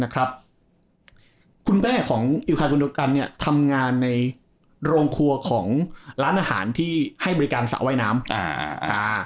คุณแม่ของอิวคายคนเดียวกันเนี่ยทำงานในโรงครัวของร้านอาหารที่ให้บริการสระว่ายน้ำอ่าอ่า